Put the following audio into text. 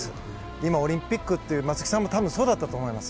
今、オリンピックっていう松木さんも多分そうだったと思います。